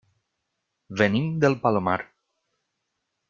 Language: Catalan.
Venim del Palomar.